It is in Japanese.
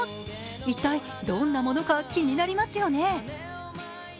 一体どんなものか気になりますよね。